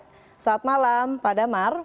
selamat malam pak damar